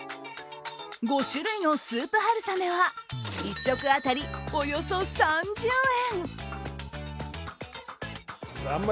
５種類のスープ春雨は１食当たりおよそ３０円。